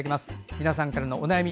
皆さんからのお悩み